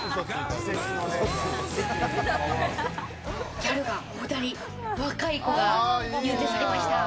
ギャルがお２人、若い子が入店されました。